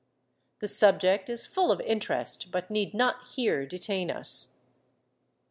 The subject is full of interest, but need not here detain us.